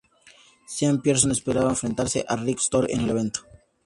Sean Pierson esperaba enfrentarse a Rick Story en el evento.